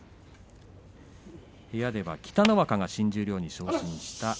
部屋では北の若が新十両に昇進しました。